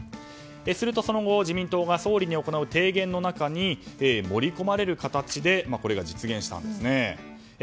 すると、その後自民党が総理に行う提言の中に盛り込まれる形でこれが実現したんですね。